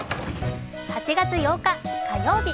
８月８日火曜日。